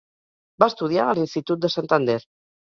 Va estudiar a l'institut de Santander.